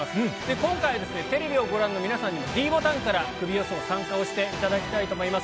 今回、テレビをご覧の皆さんに、ｄボタンからクビ予想を参加していただきたいと思います。